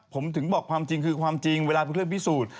ผมถึงบอกความจริงคือความจริงเวลาเพื่อนพิสูจน์